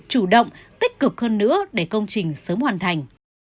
chủ động tích cực hơn nữa để công trình sớm hoàn thành